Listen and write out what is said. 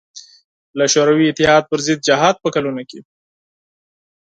له شوروي اتحاد پر ضد جهاد په کلونو کې.